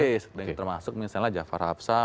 persis termasuk misalnya jafar hafsam